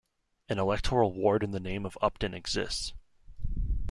An electoral ward in the name of Upton exists.